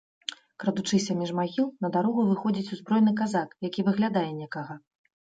Крадучыся між магіл, на дарогу выходзіць узброены казак, які выглядае некага.